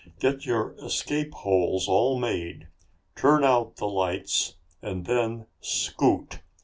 Get your escape holes all made, turn out the lights, and then scoot!